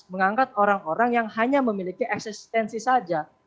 mengangkat orang orang yang hanya memiliki eksistensi saja